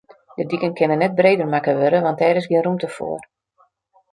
De diken kinne net breder makke wurde, want dêr is gjin rûmte foar.